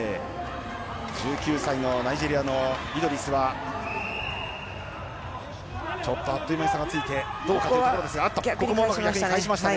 １９歳のナイジェリアのイドリスはちょっとあっという間に差がついてどうかというところですがここも逆に返しましたね。